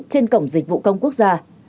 trên cổng dịch vụ công quốc gia